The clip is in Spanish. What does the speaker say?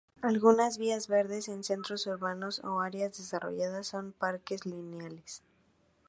Algunas vías verdes en centros urbanos o áreas desarrolladas son parques lineales.